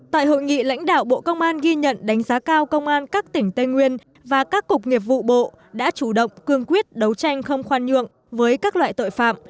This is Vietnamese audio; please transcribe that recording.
tại hội nghị lãnh đạo bộ công an ghi nhận đánh giá cao công an các tỉnh tây nguyên và các cục nghiệp vụ bộ đã chủ động cương quyết đấu tranh không khoan nhượng với các loại tội phạm